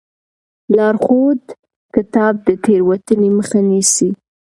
لارښود کتاب د تېروتنې مخه نیسي.